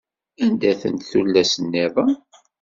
Anda-tent tullas-nniḍen?